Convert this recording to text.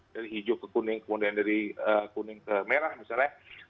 dari hijau ke kuning kemudian dari kuning ke merah misalnya